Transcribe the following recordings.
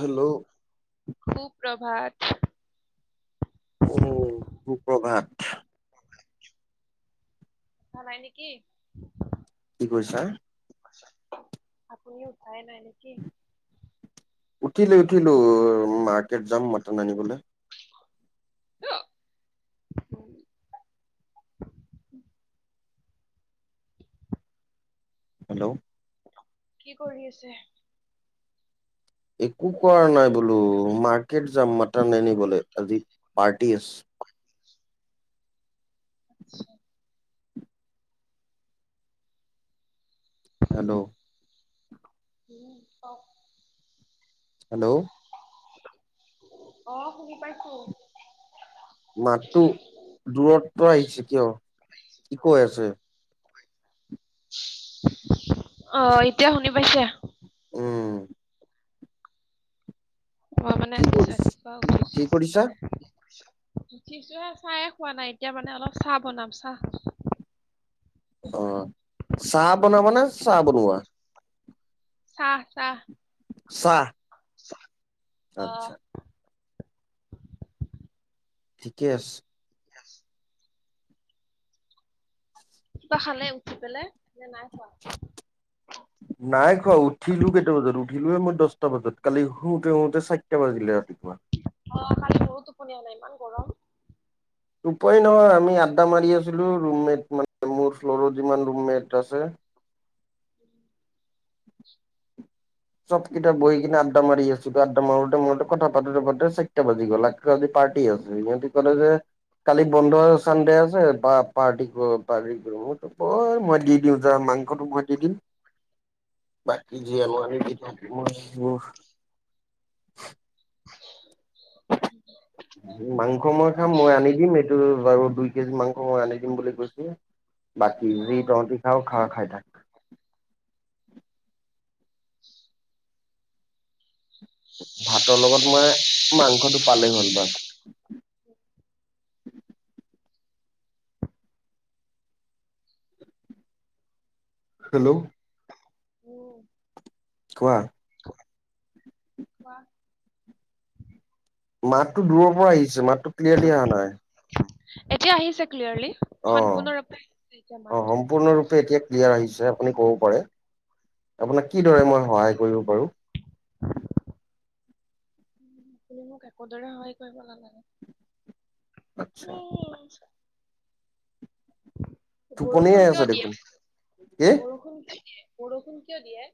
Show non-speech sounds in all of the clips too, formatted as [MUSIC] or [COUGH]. Hello! সু-প্ৰভাত! উম, সু-প্ৰভাত! [UNINTELLIGIBLE] উঠা নাই নেকি? কি কৈছা? আপুনি উঠাই নাই নেকি? উঠিলে উঠিলো, মাৰ্কেট যাম মটন আনিবলে। [UNINTELLIGIBLE] [INAUDIBLE] হেল্ল'! কি কৰি আছে? একো কৰা নাই বোলো, মাৰ্কেট যাম মাটন আনিবলে। আজি পাৰ্টি আছ আটচ্ছা। হেল্ল'! কি ক'ক? হেল্ল'! অ', শুনি পাইছো। মাতটো দূৰৰ পৰা আহিছে কিয়, কি কৈ আছে? অ', এতিয়া শুনি পাইছে? উম। মই মানে কি কৰি ৰাতিপুৱা কি উঠিছো কৰিছা উঠিছো হে চাহয়ে খোৱা নাই, এতিয়া মানে অলপ চাহ বনাম চাহ। অ', চা বনাবা নে চাহ বনোৱা? চাহ, চাহ। চাহ। চা আচ্ছা। ঠিকে উম, আছে য়েছ। কিবা খালে উঠি পেলাই নে নাই খোৱা? নাই খোৱা উঠিলো কেইটা বজাত উঠিলোয়ে দহটা বজাত কালি শুওঁতে শুওঁতে চাৰিটা বাজিলে ৰাতিপুৱা। অ কালি মোৰো টোপনীয়া অহা নাই ইমান গৰম। উপায় নহয় আমি আড্ডা মাৰি আছিলো ৰুম মেট মানে মোৰ ফ্ল'ৰৰ যিমান ৰুম মেট আছে। [INAUDIBLE] চব কিতা বহি কিনে আড্ডা মাৰি আছো, আড্ডা মাৰোতে মোৰোতে কথা পাতোতে পাতোতে চাৰিটা বাজি গ'ল ৰাতি পাৰ্টি আছে, ইহঁতি কলে যে কালি বন্ধ চানডে আছে। বা পাৰ্টি কৰো পাৰ্টি কৰো, মই কৈছো কৰ দি দিও যা মাংসটো মই দি দিম বাকী যি আন আনিব মই [INAUDIBLE] মাংস মই খাম মই আনি দিম এইটো বাৰু দুই কেজি মাংস মই আনি দিম বুলি কৈছো। বাকি অ যি তহঁতি খাৱ খাই থাক। ভাতৰ লগত মই মাংসটো পালেই হ'ল বাচ হেল্ল'! উম। কোৱা। কোৱা। মাতটো দূৰৰ পৰা আহিছে। মাতটো ক্লিয়াৰলি অহা নাই। এতিয়া আহিছে ক্লিয়াৰলি অ', সম্পূৰ্ণৰূপে আহিছে এতিয়া অ', মাতটো? সম্পূৰ্ণৰূপে এতিয়া ক্লিয়াৰ আহিছে আপুনি ক'ব পাৰে। আপোনাক কিদৰে মই সহায় কৰিব পাৰো। [INAUDIBLE] তুমি মোক একোদৰে সহায় কৰিব নালাগে। আচ্ছা টোপনিয়ে বৰষুণ আছে কিয় দিয়ে দেখোন কি বৰষুণ কিয় দিয়ে বৰষুণ কিয় দিয়ে?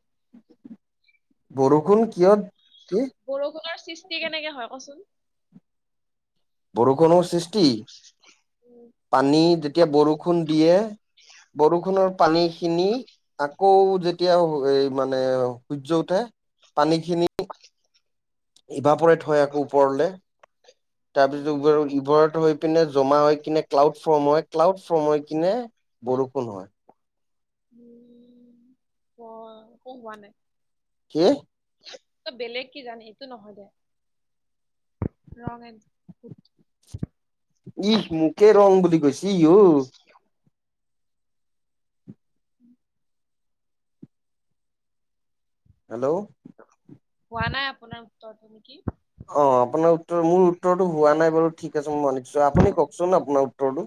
বৰষুণ কিয় কি বৰষুণৰ সৃষ্টি কেনেকে হয় কচোন? বৰষুণৰ সৃষ্টি পানী যেতিয়া বৰষুণ দিয়ে বৰষুণৰ পানী খিনি আকৌ যেতিয়া এই মানে সূৰ্য উঠে পানীখিনি ইভাপৰেত হয় আকৌ ওপৰলে তাৰপিছত ইভাপৰত হৈ পিনে জমা হৈ কিনে ক্লাউড ফ্ৰৰ্ম হয় ক্লাউড ফ্ৰৰ্ম হৈ কিনে বৰষুণ হয়। উম ক একো হোৱা নাই কি? ত বেলেগ কি জানে এইটো নহয় দে ৰং এন ইহ মোকে ৰং বুলি কৈছে ই উ উম হেল্ল', হোৱা নাই আপোনাৰ উত্তৰটো নেকি? অ আপোনাৰ উত্তৰ মোৰ উত্তৰটো হোৱা নাই বাৰু ঠিক আছে মই মানিছো আপুনি কওকচোন আপোনাৰ উত্তৰটো।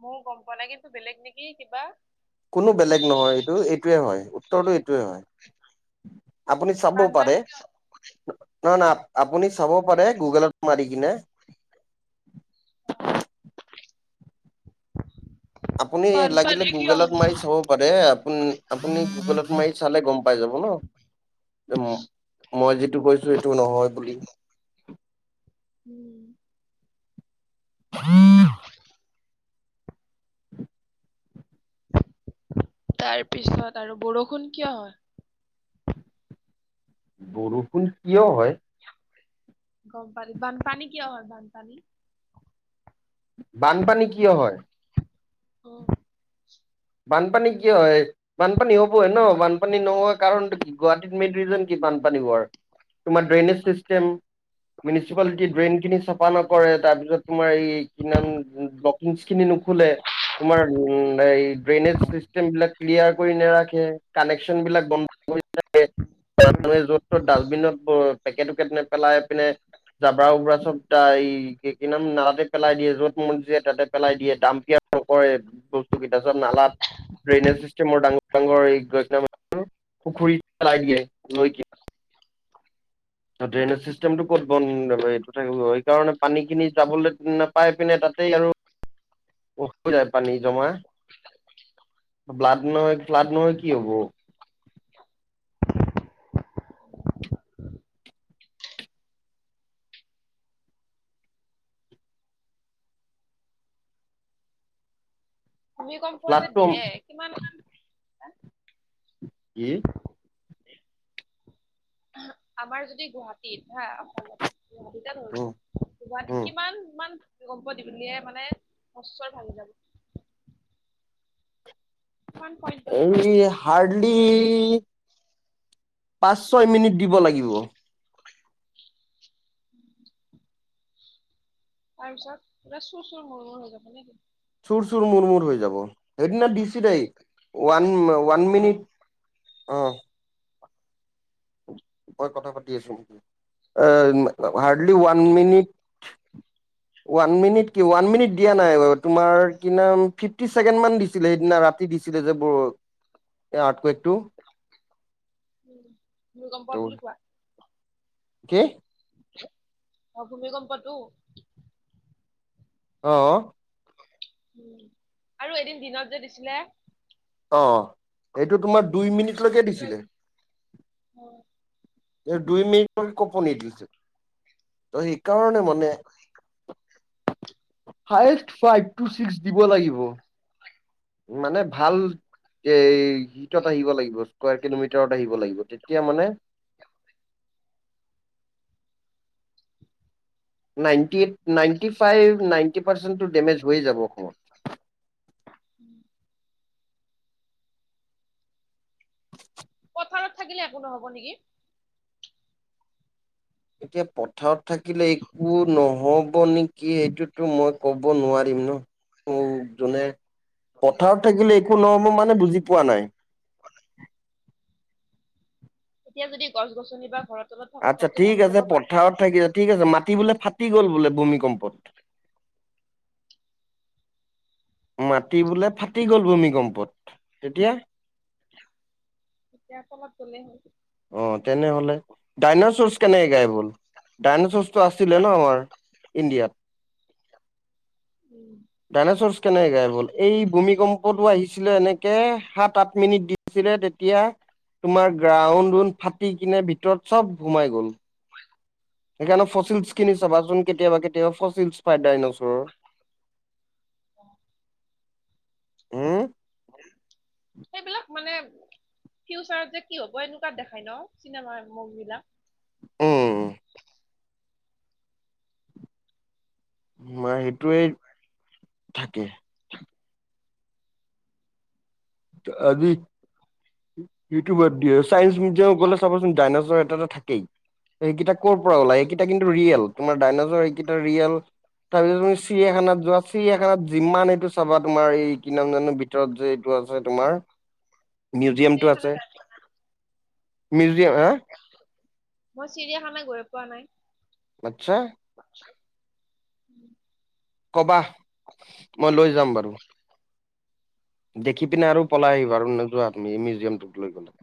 ময়ো গম পোৱা নাই কিন্তু বেলেগ নেকি কিবা? কোনো বেলেগ নহয় এইটো এইটোৱে হয়। উত্তৰটো এইটোৱে হয় আপুনি চাবও পাৰে। বানপানী কিয় হয়? নহয় নহয় আপুনি চাব পাৰে গুগলত মাৰি কিনে। আপুনি লাগিলে বানপানী কিয় গুগলত হয় মাৰি চাব আপুনি আপুনি গুগলত মাৰি চালে গম পাই যাব ন। মই যিটো কৈছো সেইটো নহয় বুলি। উম। উম। তাৰপিছত আৰু বৰষুণ কিয় হয়? বৰষুণ কিয় হয়? গম বানপানী হয় বানপানী? বানপানী কিয় হয়? অ, বানপানী কিয় হয়? বানপানী হ'বই ন বানপানী নোহোৱা কাৰণটো কি গুৱাহাটীত মেইন ৰিজন কি বানপানী হোৱাৰ তোমাৰ ড্ৰেইনেজ চিষ্টেম মিউনিচিপালিটি ড্ৰেইন খিনি চাফা নকৰে তাৰ পিছত তোমাৰ এই কি নাম? খিনি নুখোলে তোমাৰ উম এই ড্ৰেইনেজ চিষ্টেম বিলাক ক্লিয়াৰ কৰি নাৰাখে কানেকচন বিলাক বন্ধ কৰি থাকে। য'ত ত'ত ডাষ্টবিনত পেকেট টকেট নে পেলাই পিনে জাবৰা উবৰা চব ত এই কি কি নাম নালাতে পেলাই দিয়ে য'ত মন যায় তাতে পেলাই দিয়ে দামপিয়া। বস্তু কেইটা চব নালাত ড্ৰেইনেজ চিষ্টেমৰ ডাঙৰ ডাঙৰ পুখুৰী চলাই দিয়ে নৈ কি? ত ড্ৰেইনেজ চিষ্টেমটো ক'ত বন্ধ এইটো সেইকাৰণে পানীখিনি যাবলৈ নাপাই পিনে তাতেই আৰু [UNINTELLIGIBLE] বহুত হৈ যায় পানী জমা। ব্লাড নহয় ব্লাড নহয় কি হ'ব? ভূমিকম্প যে ফ্লাডটো দিয়ে কিমান মান কি? আমাৰ যদি গুৱাহাটীত হা অসমত গুৱাহাটীত ধৰিছো গুৱাহাটীত কিমান মান ভূমিকম্প দিলে মানে সহস্ৰ ভাঙি যাব। কিমান পইণ্ট এই হাৰ্ডলি পাঁচ ছয় মিনিট দিব লাগিব। [INAUDIBLE] তাৰ পিছত পোৰা চুৰ চুৰ মুৰ মুৰ হৈ যাব নেকি? চুৰ চুৰ মুৰ মুৰ হৈ যাব। সেইদিনা দিচিলেই ওৱান ওৱান মিনিট অ'। মই কথা পাতি আছোং, অ' এ hardly one minute. [UNINTELLIGIBLE] One minute কি ওৱান মিনিট দিয়া নাই বাৰু তোমাৰ কিমান ফিফটি চেকেণ্ড মান দিছিলে সেইদিনা ৰা তি দিছিলে যে বৰ এই আৰ্টকুইকটো। উম ভূমিকম্প বুলি কোৱা। কি? অ', ভূমিকম্পটো? অ'। উম, আৰু এদিন দিনত যে দিছিলে। অ', সেইটো তোমাৰ দুই মিনিটলৈকে দিছিলে। হয়। এই দুই মিনিটলৈকে কপনি তোলিছে, ত' সেইকাৰণে মানে [UNINTELLIGIBLE] হাইচ্ ফাইভ টু ছিক্স দিব লাগিব, মানে ভাল এ হীতত আহিব লাগিব, স্কাৰ কিলোমিটাৰত আহিব লাগিব। তেতিয়া মানে [UNINTELLIGIBLE] ninety eight, ninety five ninety পাৰ্চেণ্টটো ডেমেজ হৈয়ে যাব অসমত। উম। পথাৰত থাকিলে একো নহ'ব নেকি? এতিয়া পথাৰত থাকিলে একো নহ'ব নে কি এইটোতো মই ক'ব নোৱাৰিম ন, মোক যোনে পথাৰত থাকিলে একো নহব মানে বুজি পোৱা নাই? [UNINTELLIGIBLE] তেতিয়া যদি গছ গছনি বা ঘৰ তলত থাকো আচ্ছা ঘৰটো ঠিক ভাঙি আছে যাব পাৰে। পথাৰত থাকি ঠিক আছে মাতি বোলে ফাটি গ'ল বোলে ভূমিকম্পত। মাতি বোলে উম ফাটি গ'ল ভূমিকম্পত তেতিয়া? তেতিয়া কৰবাত গ'লে হ'ল। অ', তেনেহ'লে ডাইনছৰ্চ কেনেকে গাইব হ'ল? ডাইনাছৰ্চটো আছিলে ন আমাৰ ইণ্ডিয়াত। উম। ডাইনছৰ্চ কেনেকে গাইব হ'ল, এই ভূমিকম্পটো আহিছিলে এনেকে সাত আঠ মিনিট দি ছিলে তেতিয়া তোমাৰ গ্ৰাউণ্ড উড ফাটি কিনে ভিতৰত চব সোমাই গ'ল। সেইকাৰণে উম ফচিল্ছচ্ খিনি চাবাচোন কেতিয়াবা কেতিয়াবা ফচিল্ছচ্ পায় ডাইনচৰৰ। অ উম [UNINTELLIGIBLE] সেইবিলাক মানে ফিউচাৰত যে কি হব এনেকুৱা দেখাই ন চিনেমাৰ মুভবিলাক? উম। [UNINTELLIGIBLE] তোমাৰ সেইটোৱে থাকে। ত আজি ইউটিউবত দি আছে। চাইন্স মিউজিয়ামত গ'লে চাবচোন ডাইনছৰ এটাটো থাকেই। সেইকেইটা কৰ পৰা ওলাই সেইকেইটা কিন্তু ৰিয়েল তোমাৰ ডাইনজৰ এইকেইটা ৰিয়েল। তাৰপিছত তুমি চিৰিয়াখানাত যোৱা তাৰপিছত তুমি চিৰিয়াখানাত যোৱা চিৰিয়াখানাতছ যিমান এইটো চাবা তোমাৰ এই কি নাম জানো ভিতৰত যে মই এইটো আ চিৰিয়াখানা যাম [UNINTELLIGIBLE] ছে তোমাৰ মিউজিয়ামটো আছে, মিউজিয়াম হা? মই চিৰিয়াখানা গৈয়ে পোৱা নাই। আচ্ছা'। আচ্ছা'। ক'বা মই লৈ যাম বাৰু। দেখি পিনে আৰু পলাই আহিবা আৰু নোযোৱা তুমি মিউজিয়ামটোত লৈ গ'লে।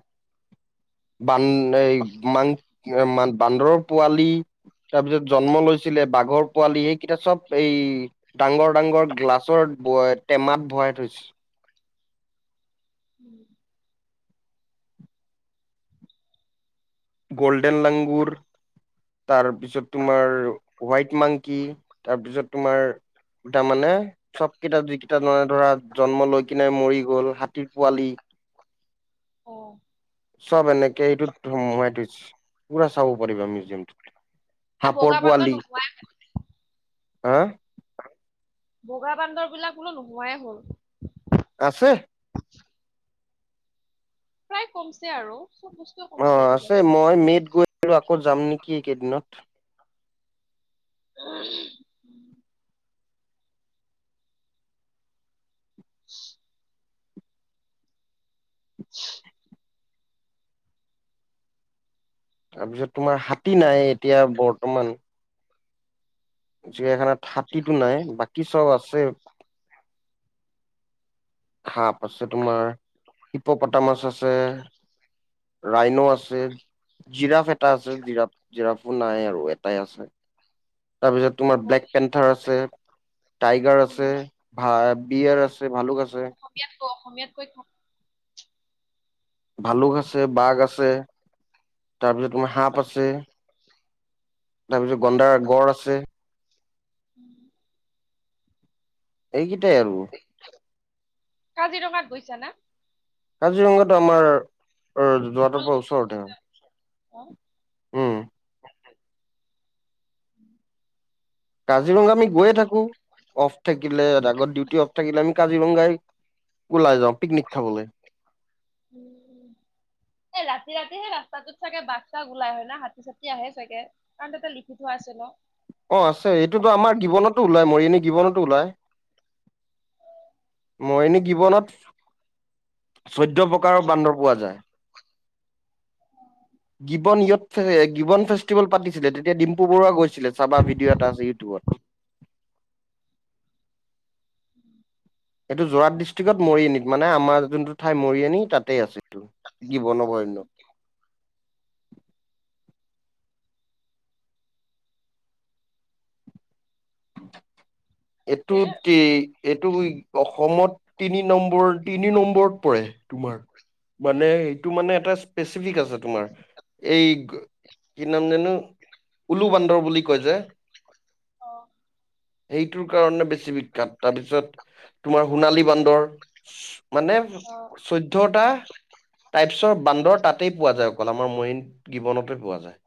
বান এ মাং বান্দৰৰ পোৱালি- তাৰ পিছত জন্ম লৈছিলে বাঘৰ পোৱালি এইকেইটা চ'ব এই- ডাঙৰ ডাঙৰ গ্লাছৰ টেমাত ভৰাই থৈছে। উম। গ'ল্ডেন লাংগুৰ- তাৰপিছত তোমাৰ হোৱাইট মাংকি, তাৰপিছত তোমাৰ- তাৰমানে- চ'ব কেইটা যিকেইটাে [UNINTELLIGIBLE] ধৰা জন্ম লৈ কেনে মৰি গ'ল হাতীৰ পোৱালি- [INAUDIBLE] অঁ। চ'ব এনেকে এইটোত [UNINTELLIGIBLE] [UNINTELLIGIBLE] পুৰা চাব পাৰিবা মিউজিয়ামতোত এ বগা সাপৰ বান্দৰ পোৱালি। নোহোৱাই হা? বগা বান্দৰ বিলাক বোলো নোহোৱাই হ'ল। আছে। প্ৰায় কমছে আৰু চ'ব বস্তু। অঁ' আছে মই মে'ত গৈছিলোঁ আকৌ যাম নেকি এইকেইদিনত। [UNINTELLIGIBLE] তাৰপিছত তোমাৰ হাতী নাই এতিয়া বৰ্তমান। চিৰিয়াখানাত হাতীটো নাই বাকী চ'ব আছে। সাপ আছে তোমাৰ, হিপ পতা মাছ আছে- ৰাইনো আছে, - জিৰাফ এটা আছে, জিৰাফ জিৰাফো নাই আৰু এটাই আছে। তাৰপিছত তোমাৰ মোৰ ব্লেক পেন্থাৰ আ আছে, টাইগাৰ আছে, উম বিয়েৰ আছে ভালুক আছে। অসমীয়াতকৈ কৈ খাম। ভালুক আছে, বাঘ আছে, তাৰপিছত তোমাৰ সাপ আছে- তাৰপিছত গন্দাৰ গঁড় আছে। [UNINTELLIGIBLE] এইকেইটাই আৰু। কাজিৰঙাত গৈছানা? কাজিৰঙাতো আমাৰ যোৱাটো [UNINTELLIGIBLE] তোমালোকে ওচৰতে অঁ' অ উমঁ'। কাজিৰঙা আমি গৈয়ে থাকো, অফ থাকিলে আগত ডিউটি অফ থাকিলে আমি কাজিৰঙাই- ওলাই যাওঁ পিকনিক খাবলৈ। উমঁ' উমঁ'। ৰাতি ৰাতি সেই ৰাস্তাটোত চাগে বাঘ-চাঘ ওলাই হয় না হাতী চাতি আহে চাগে? কাৰণ তাতে লিখি থোৱা আছে ন'। অঁ' আছে, এইটোতো আমাৰ গীৱনতো ওলায়, মৰিয়নি গীৱনতো ওলায়। মৰিয়নি গীৱনত চৈধ্য প্ৰকাৰৰ বান্দৰ পোৱা যায়। গিবন য়ত, গিৱন ফেষ্টিভেল পাতিছিলে তেতিয়া ডিম্পু বৰুৱা গৈছিলে, চাবা ভিডিঅ' এটা আছে ইউটিউবত। এইটো যোৰহাট ডিষ্ট্ৰিক্টত মৰিয়নিত মানে আমাৰ যোনটো ঠাই মৰিয়নি তাতে আছে এইটো। গিবনগন্য। এইটো ঠিকে [UNINTELLIGIBLE] এইটো অসমত তিনি নম্বৰ, তিনি নম্বৰত পৰে তোমাৰ। মানে এইটো মানে এটা স্পেচ। [UNINTELLIGIBLE] আছে তোমাৰ, এই কি নাম জানো? উলু বান্দৰ বুলি কয় যে। অ'। সেইটোৰ কাৰণে বেছি বিখ্যাত, তাৰপিছত তোমাৰ সোণালী বান্দৰ। মানে, অ চৈ [UNINTELLIGIBLE] টাইপছৰ বান্দৰ তাতেই পোৱা যায়, অকল আমাৰ মৰিয়নি গীৱনতে পোৱা যায়।